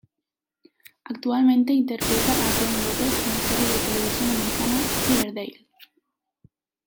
Actualmente interpreta a Gwen Lopez en la serie de televisión americana, Riverdale.